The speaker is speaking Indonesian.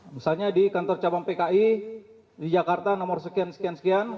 misalnya di kantor cabang pki di jakarta nomor sekian sekian sekian